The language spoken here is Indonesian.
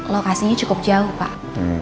lokasinya cukup jauh pak